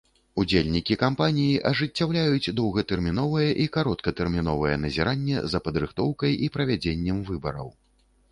Удзельнікі кампаніі ажыццяўляюць доўгатэрміновае і кароткатэрміновае назіранне за падрыхтоўкай і правядзеннем выбараў.